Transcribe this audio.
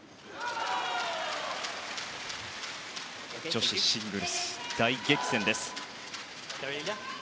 女子シングルス、大激戦です。